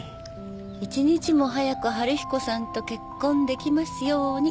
１日も早く春彦さんと結婚できますように。